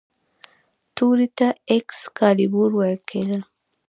تورې ته ایکس کالیبور ویل کیدل.